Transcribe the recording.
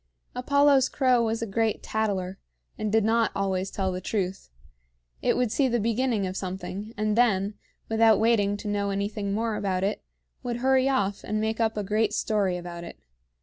Apollo's crow was a great tattler, and did not always tell the truth. It would see the beginning of something, and then, without waiting to know anything more about it, would hurry off and make up a great story about it.